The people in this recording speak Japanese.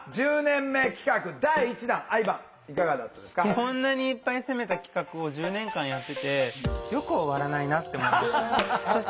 こんなにいっぱい攻めた企画を１０年間やっててよく終わらないなって思いました。